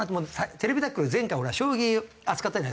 『ＴＶタックル』前回将棋扱ったじゃないですか。